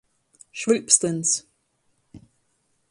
Švuļpstyns.